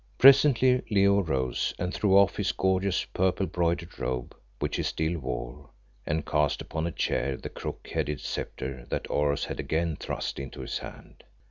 Presently Leo rose and threw off his gorgeous, purple broidered robe, which he still wore, and cast upon a chair the crook headed sceptre that Oros had again thrust into his hand.